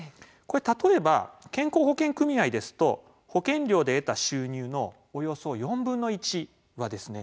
例えば、健康保険組合ですと保険料で得た収入のおよそ４分の１はですね